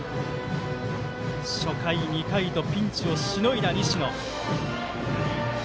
初回２回とピンチをしのいだ西野。